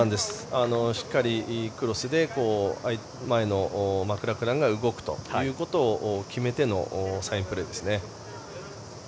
しっかりクロスで前のマクラクランが動くということを決めてのサインプレーですね。